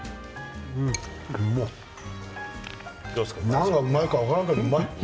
何がうまいか分からんけどうまい！